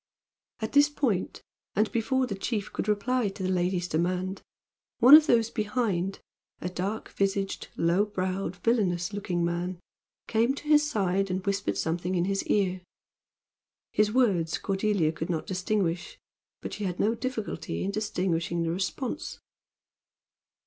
At this point, and before the chief could reply to the lady's demand, one of those behind a dark visaged, low browed, villainous looking man came to his side and whispered something in his ear. His words Cordelia could not distinguish, but she had no difficulty in distinguishing the response.